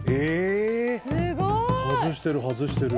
外してる外してる。